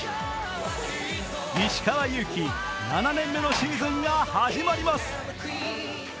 石川祐希、７年目のシーズンが始まります。